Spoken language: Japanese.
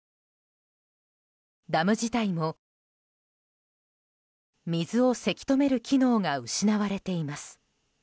ダム自体も水をせき止める機能が失われています。